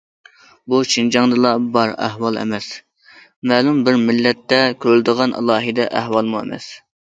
بۇ شىنجاڭدىلا بار ئەھۋال ئەمەس، مەلۇم بىر مىللەتتە كۆرۈلىدىغان ئالاھىدە ئەھۋالمۇ ئەمەس.